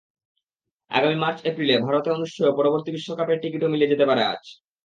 আগামী মার্চ-এপ্রিলে ভারতে অনুষ্ঠেয় পরবর্তী বিশ্বকাপের টিকিটও মিলে যেতে পারে আজ।